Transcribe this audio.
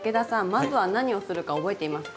まずは何をするか覚えていますか？